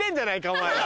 お前ら。